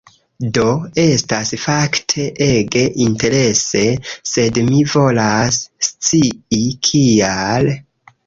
Do, estas fakte ege interese, sed mi volas scii kial?